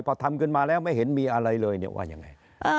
พอทำขึ้นมาแล้วไม่เห็นมีอะไรเลยเนี่ยว่ายังไง